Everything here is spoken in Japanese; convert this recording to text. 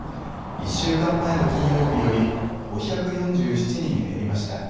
１週間前の金曜日より５４７人減りました。